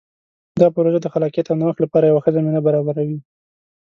دا پروژه د خلاقیت او نوښت لپاره یوه ښه زمینه برابروي.